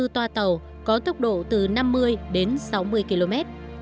một năm mươi bốn toa tàu có tốc độ từ năm mươi đến sáu mươi km